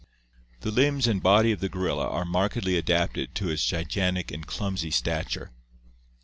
The limbs and body of the gorilla are markedly adapted to its gigantic and f clumsy stature.